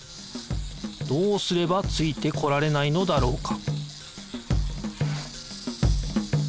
どうすればついてこられないのだろうか？